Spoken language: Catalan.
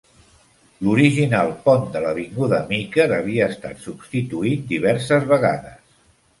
L'original pont de l'avinguda Meeker havia estat substituït diverses vegades.